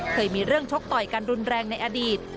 เคยมีเรื่องชกต่อยกันรุนแรงในอดีต